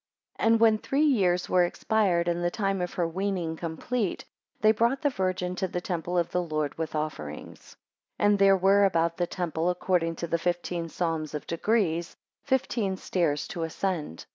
AND when three years were expired, and the time of her weaning complete, they brought the Virgin to the temple of the Lord with offerings. 2 And there were about the temple, according to the fifteen Psalms of degrees, fifteen stairs to ascend.